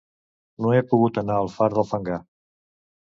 No he pogut anar al far del fangar